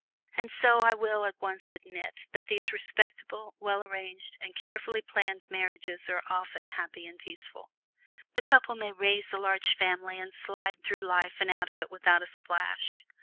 And so I will at once admit that these respectable, well arranged, and carefully planned marriages are often happy and peaceful. The couple may "raise" a large family and slide through life and out of it without a splash.